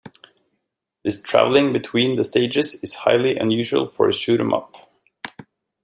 This traveling between the stages is highly unusual for a shoot 'em up.